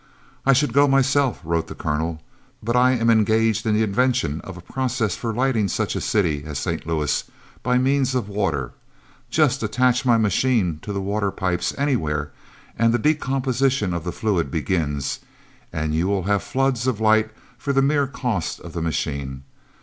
"I should go on myself," wrote the Colonel, "but I am engaged in the invention of a process for lighting such a city as St. Louis by means of water; just attach my machine to the water pipes anywhere and the decomposition of the fluid begins, and you will have floods of light for the mere cost of the machine.